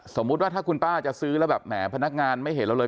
สมมุติว่าถ้าคุณป้าจะซื้อแล้วแบบแหมพนักงานไม่เห็นเราเลย